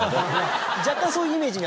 若干そういうイメージには。